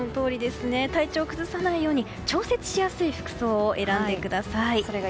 体調を崩さないように調節しやすい服装を選んでください。